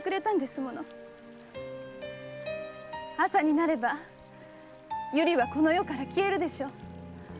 朝になれば百合はこの世から消えるでしょう。